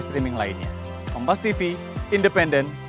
streaming lainnya kompas tv independen